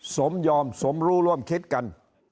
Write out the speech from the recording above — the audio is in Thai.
สมยอมสมรู้ร่วมคิดกัน